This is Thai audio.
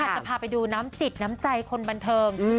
จะพาไปดูน้ำจิตน้ำใจคนบันเทิง